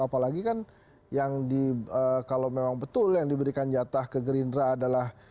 apalagi kan yang di kalau memang betul yang diberikan jatah ke gerindra adalah